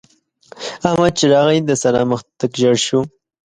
احمد چې راغی؛ د سارا مخ تک ژړ شو.